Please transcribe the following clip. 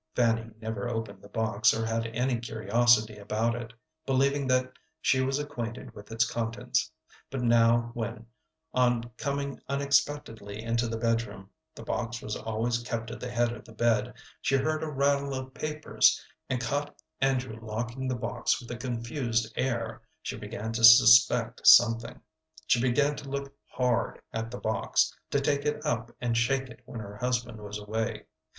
Fanny never opened the box, or had any curiosity about it, believing that she was acquainted with its contents; but now when, on coming unexpectedly into the bedroom the box was always kept at the head of the bed she heard a rattle of papers, and caught Andrew locking the box with a confused air, she began to suspect something. She began to look hard at the box, to take it up and shake it when her husband was away.